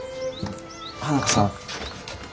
花子さん。